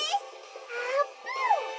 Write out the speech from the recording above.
「あーぷん！」。